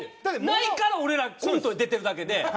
ないから俺らコントに出てるだけで。